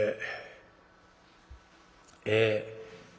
ええ」。